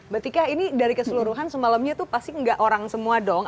mbak tika ini dari keseluruhan semalamnya tuh pasti nggak orang semua dong